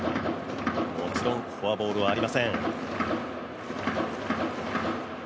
もちろん、フォアボールはありません。